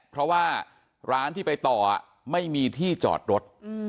เพราะว่าร้านที่ไปต่อไม่มีที่จอดรถ